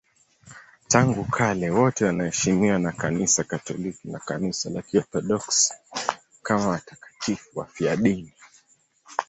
Tangu kale wote wanaheshimiwa na Kanisa Katoliki na Kanisa la Kiorthodoksi kama watakatifu wafiadini.